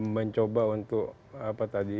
mencoba untuk apa tadi